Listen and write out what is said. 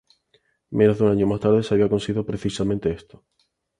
Menos de un año más tarde, se había conseguido precisamente esto.